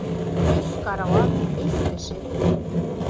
Өс карауат, өс кеше.